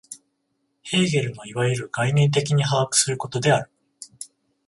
ヘーゲルのいわゆる概念的に把握することである。